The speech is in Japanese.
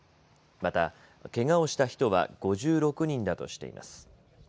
また、けがをした人は５６人だとしています。